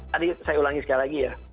tadi saya ulangi sekali lagi ya